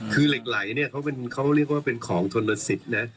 คือเหล็กไหลเขาเรียกว่าเป็นของทนสิทธิ์